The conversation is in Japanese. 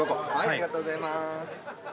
ありがとうございます。